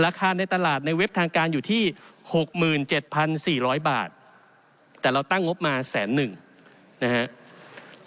ในตลาดในเว็บทางการอยู่ที่๖๗๔๐๐บาทแต่เราตั้งงบมาแสนหนึ่งนะครับ